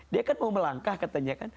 dia kan mau melangkah katanya kan